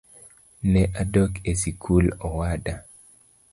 Ne adok e sikul owada